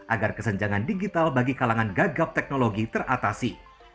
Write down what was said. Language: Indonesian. agar kesenjangan digital bagi kalangan gagap teknologi teratasi